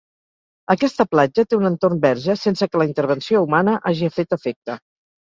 Aquesta platja té un entorn verge sense que la intervenció humana hagi fet efecte.